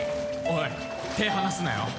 おい手離すなよ。